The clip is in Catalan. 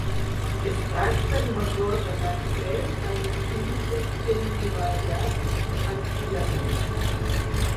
Es tracta d'una porta d'accés al recinte emmurallat antigament.